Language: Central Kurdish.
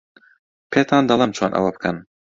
پێتان دەڵێم چۆن ئەوە بکەن.